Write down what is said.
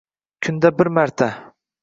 Kunda bir marta